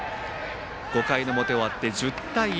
５回の表終わって１０対１。